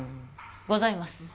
ございます